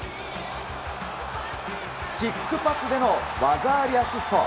キックパスでの技ありアシスト。